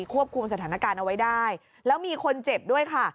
ควบคุมสถานการณ์เอาไว้ได้แล้วมีคนเจ็บด้วยค่ะ